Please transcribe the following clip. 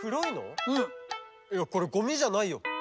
いやこれゴミじゃないよ。